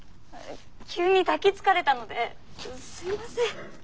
急に抱きつかれたのですみません。